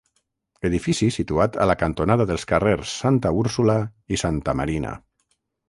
Edifici situat a la cantonada dels carrers Santa Úrsula i Santa Marina.